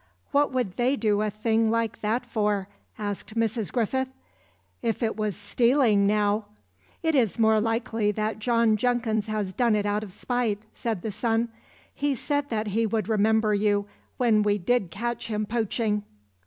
"'What would they do a thing like that for?' asked Mrs. Griffith. 'If it was stealing now—' "'It is more likely that John Jenkins has done it out of spite,' said the son. 'He said that he would remember you when we did catch him poaching.